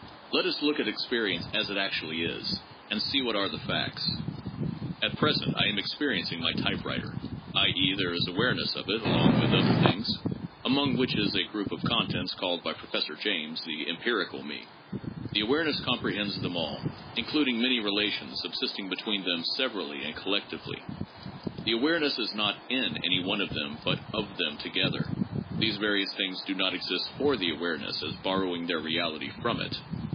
Let us look at experience as it actually is, and see what are the facts. At present I am experiencing my typewriter, i. e., there is an No. 3.] PURE EXPERIENCE AND REALITY. 279 awareness of it along with other things, among which is a group of contents called by Professor James ' the empirical Me.' The awareness comprehends them all, including many relations sub sisting between them severally and collectively. The awareness is not in any one of them but of them together. These various things do not exist for the awareness as borrowing their reality from it.